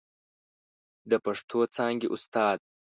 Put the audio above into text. د پښتو څانګې استاد